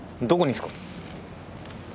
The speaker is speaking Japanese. どこにっすか？